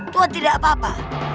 tuan tidak apa apa